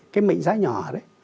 cái mệnh giá nhỏ đấy